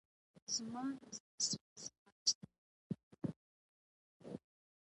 زما د زړه سره زما د سترګو توره ته یې.